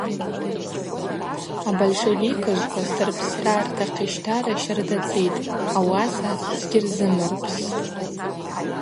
Абальшавикыжвква сдырпсра ртахъищтара щарда цӏитӏ, ауаса сгьырзымырпстӏ.